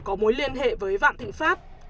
có mối liên hệ với vạn thịnh pháp